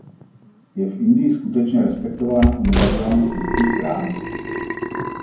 Je v Indii skutečně respektována univerzálnost lidských práv?